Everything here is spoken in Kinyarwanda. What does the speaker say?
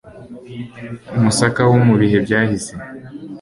umusaka wo mu bihe byahise